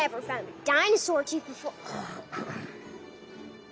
ああ。